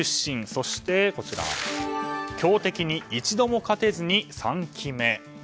そして強敵に一度も勝てずに３期目。